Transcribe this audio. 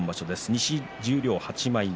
西十両８枚目。